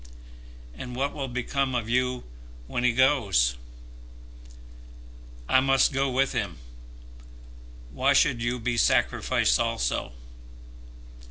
"And what will become of you when he goes?" "I must go with him. Why should you be sacrificed also?